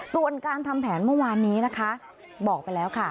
ส่วนการทำแผนเมื่อวานนี้นะคะบอกไปแล้วค่ะ